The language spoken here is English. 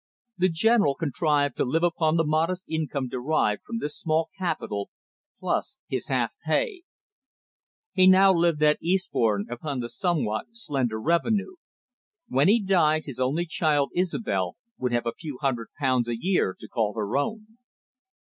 The General contrived to live upon the modest income derived from this small capital, plus his half pay. He now lived at Eastbourne upon the somewhat slender revenue. When he died, his only child, Isobel, would have a few hundred pounds a year to call her own.